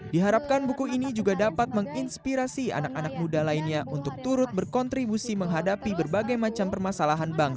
diharapkan buku ini juga dapat menginspirasi anak anak muda lainnya untuk turut berkontribusi menghadapi berbagai macam permasalahan bangsa